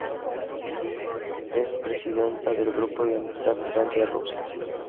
Es presidenta del grupo de amistad Francia-Rusia.